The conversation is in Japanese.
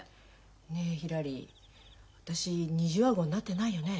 ねえひらり私二重顎になってないよね？